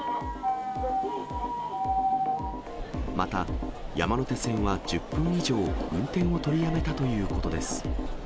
また、山手線は１０分以上、運転を取りやめたということです。